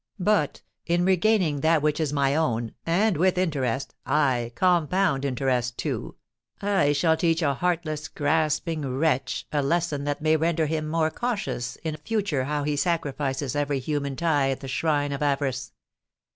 But, in regaining that which is my own—and with interest—aye, compound interest, too—I shall teach a heartless, grasping wretch a lesson that may render him more cautious in future how he sacrifices every human tie at the shrine of avarice!